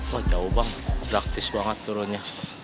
wah jauh bang praktis banget turunnya